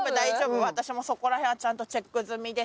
私もそこらへんはちゃんとチェック済みでして。